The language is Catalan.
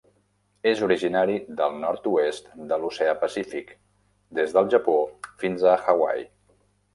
És originari del nord-oest de l'oceà Pacífic, des del Japó fins a Hawaii.